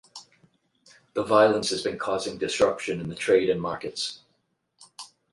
The violence has been causing disruption in the trade and markets.